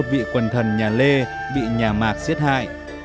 vị quần thần nhà lê vị nhà mạc siết hại